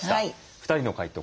２人の回答